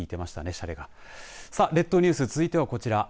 シャレがさあ列島ニュース続いてはこちら。